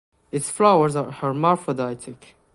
Its flowers are hermaphroditic.